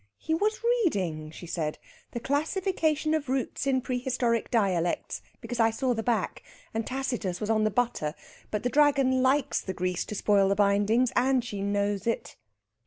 "He was reading," she said, "'The Classification of Roots in Prehistoric Dialects,' because I saw the back; and Tacitus was on the butter. But the Dragon likes the grease to spoil the bindings, and she knows it."